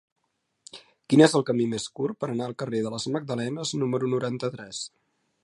Quin és el camí més curt per anar al carrer de les Magdalenes número noranta-tres?